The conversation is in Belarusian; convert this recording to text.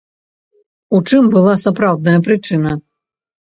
У чым была сапраўдная прычына?